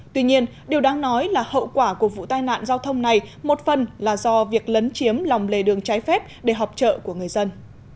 tuy nhiên điều đáng nói là hậu quả của vụ tai nạn giao thông này một phần là do việc lấn chiếm lòng lề đường trái phép để họp trợ của người dân